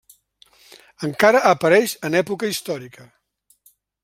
Encara apareix en època històrica.